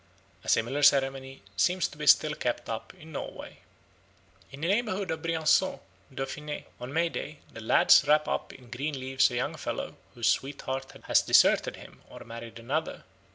A similar ceremony seems to be still kept up in Norway. In the neighbourhood of Briançon (Dauphiné) on May Day the lads wrap up in green leaves a young fellow whose sweetheart has deserted him or married another.